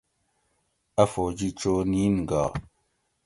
اَ فوجی چو نین گا